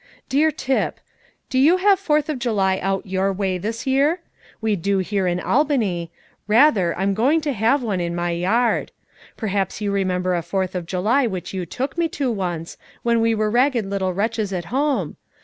"DEAR TIP, Do you have Fourth of July out your way this year? We do here in Albany; rather, I'm going to have one in my yard. Perhaps you remember a Fourth of July which you took me to once, when we were ragged little wretches at home?